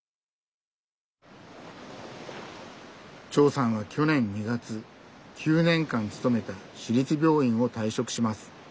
長さんは去年２月９年間勤めた市立病院を退職します。